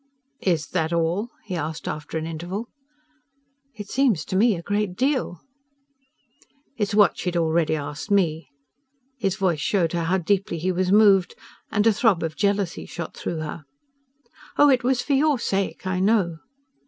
"Is that all?" he asked after an interval. "It seems to me a great deal." "It's what she'd already asked me." His voice showed her how deeply he was moved, and a throb of jealousy shot through her. "Oh, it was for your sake, I know!"